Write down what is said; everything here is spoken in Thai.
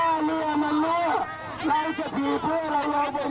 ถ้าเรือมันรั่วเราจะทีเพื่อนลงไปไหม